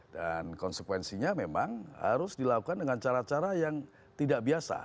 dan konsekuensinya memang harus dilakukan dengan cara cara yang tidak biasa